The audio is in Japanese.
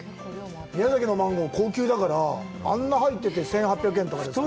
宮崎のマンゴー、高級だから、あんな入ってて１８００円とかだから。